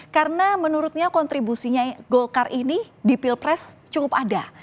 karena menurutnya kontribusinya golkar ini di pilpres cukup ada